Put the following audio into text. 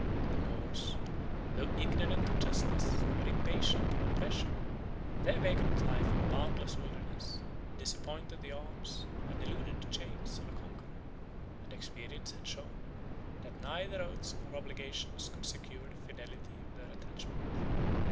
The Moors, 3 though ignorant of justice, were impatient of oppression: their vagrant life and boundless wilderness disappointed the arms, and eluded the chains, of a conqueror; and experience had shown, that neither oaths nor obligations could secure the fidelity of their attachment.